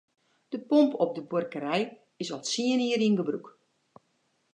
De pomp op de buorkerij is al tsien jier yn gebrûk.